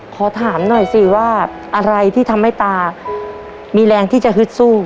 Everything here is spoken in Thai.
ขอถามหน่อยสิว่าอะไรที่ทำให้ตามีแรงที่จะฮึดสู้